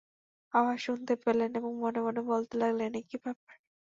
আওয়াজ শুনতে পেলেন এবং মনে মনে বলতে লাগলেন, একি ব্যাপার?